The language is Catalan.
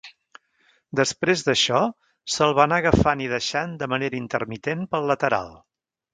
Després d'això, se'l va anar agafant i deixant de manera intermitent pel lateral.